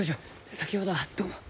先ほどはどうも。